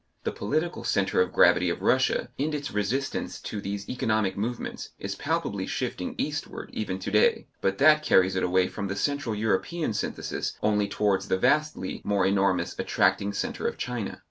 The political centre of gravity of Russia, in its resistance to these economic movements, is palpably shifting eastward even to day, but that carries it away from the Central European synthesis only towards the vastly more enormous attracting centre of China.